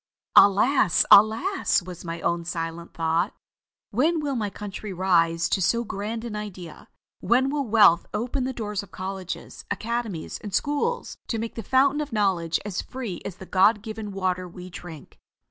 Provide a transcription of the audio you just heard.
"Alas! alas!" was my own silent thought. "When will my country rise to so grand an idea. When will wealth open the doors of colleges, academies, and schools, and make the Fountain of Knowledge as free as the God given water we drink."